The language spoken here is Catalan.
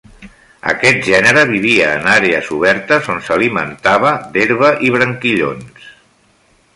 Aquest gènere vivia en àrees obertes on s'alimentava d'herba i branquillons.